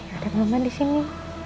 ada perempuan di sini